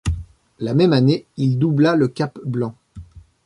La même année, il doubla le cap Blanc.